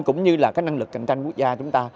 cũng như năng lực cạnh tranh quốc gia